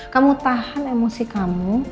kamu tahan emosi kamu